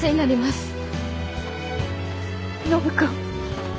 暢子。